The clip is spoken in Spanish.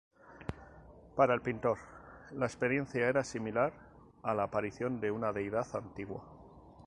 Para el pintor la experiencia era similar a la aparición de una deidad antigua.